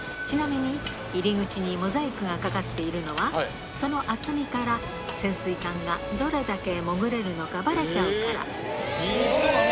ちなみに、入り口にモザイクがかかっているのは、その厚みから、潜水艦がどれだけ潜れるのかばれちゃうから。